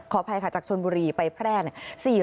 อภัยค่ะจากชนบุรีไปแพร่เนี่ย